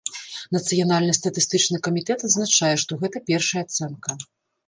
Нацыянальны статыстычны камітэт адзначае, што гэта першая ацэнка.